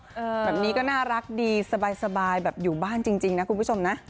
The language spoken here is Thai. แบบนี้ก็น่ารักดีสบายแบบอยู่บ้านจริงนะคุณผู้ชมนะ